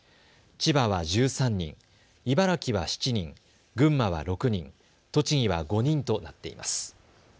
千葉は１３人、茨城は７人、群馬は６人、栃木は５人となっています。